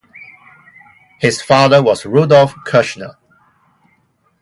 His father was Rudolph Kirchner.